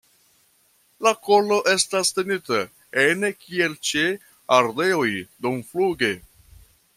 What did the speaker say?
La kolo estas tenita ene kiel ĉe ardeoj dumfluge.